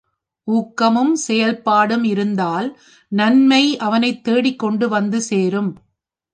ஊக்கமும் செயற்பாடும் இருந்தால் நன்மை அவனைத் தேடிக்கொண்டு வந்துசேரும்.